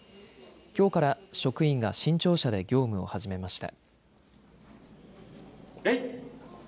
きょうから職員が新庁舎で業務を始めました。